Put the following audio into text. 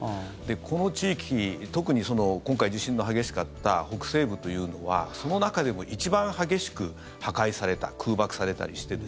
この地域特に今回、地震の激しかった北西部というのはその中でも一番激しく破壊された空爆されたりして。